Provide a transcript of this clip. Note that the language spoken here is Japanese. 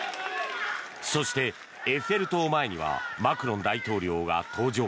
そしてエッフェル塔前にはマクロン大統領が登場。